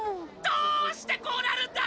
どうしてこうなるんだ！